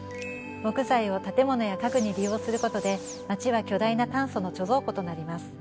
木材を建物や家具に利用することで町は巨大な炭素の貯蔵庫となります。